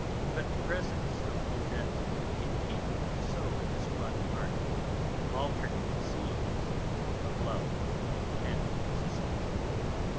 But the presence of Odette continued to sow in Swann's heart alternate seeds of love and suspicion.